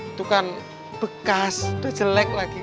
itu kan bekas itu jelek lagi